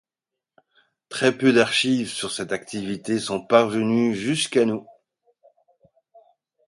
Très peu d'archives sur cette activité sont parvenues jusqu'à nous.